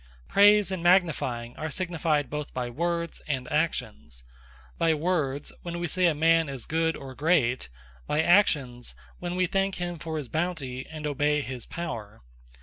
Praise, and Magnifying are significant both by Words, and Actions: By Words, when we say a man is Good, or Great: By Actions, when we thank him for his Bounty, and obey his Power.